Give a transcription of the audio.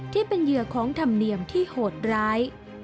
ที่เป็นเหยื่อของธรรมเนียมที่โหดร้าย